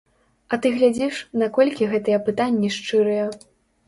А ты глядзіш, наколькі гэтыя пытанні шчырыя.